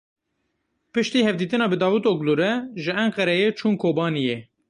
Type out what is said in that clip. Piştî hevdîtina bi Davutoglu re ji Enqereyê çûn Kobaniyê.